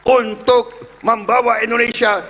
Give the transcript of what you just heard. untuk membawa indonesia